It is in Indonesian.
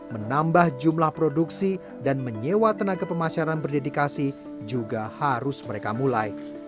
menambah jumlah produksi dan menyewa tenaga pemasaran berdedikasi juga harus mereka mulai